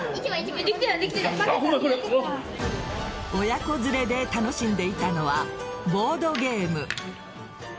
親子連れで楽しんでいたのはボードゲーム。